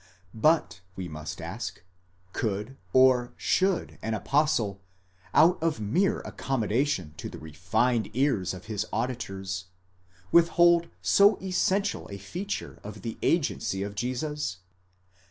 But we must ask, could or should an apostle, out of mere accommodation to the refined ears of his auditors, withhold so essential a feature of the agency of Jesus?